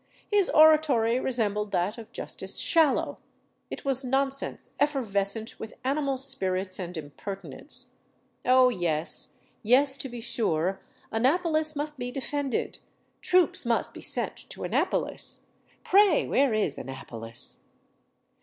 His oratory resembled that of Justice Shallow it was nonsense effervescent with animal spirits and impertinence. 'Oh yes, yes, to be sure Annapolis must be defended; troops must be sent to Annapolis. Pray, where is Annapolis?